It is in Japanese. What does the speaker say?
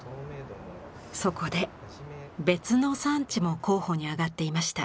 そこで別の産地も候補に挙がっていました。